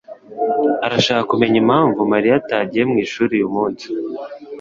arashaka kumenya impamvu Mariya atagiye mwishuri uyu munsi.